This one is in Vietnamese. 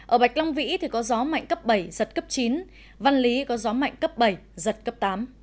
ở bạch long vĩ thì có gió mạnh cấp bảy giật cấp chín văn lý có gió mạnh cấp bảy giật cấp tám